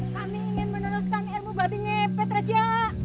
kami ingin menuluskan ilmu babi ngepet raja